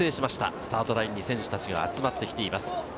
スタートラインに選手たちが集まってきています。